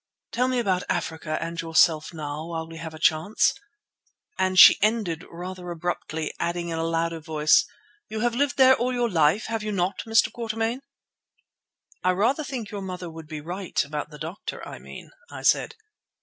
Tell me about Africa and yourself now, while we have the chance." And she ended rather abruptly, adding in a louder voice, "You have lived there all your life, have you not, Mr. Quatermain?" "I rather think your mother would be right—about the doctor, I mean," I said.